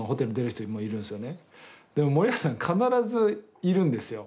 でも森保さんは必ずいるんですよ